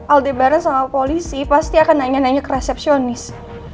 aldebaran sama polisi pasti akan nanya nanya ke resepsionis